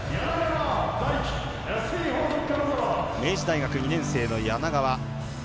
明治大学２年生の柳川。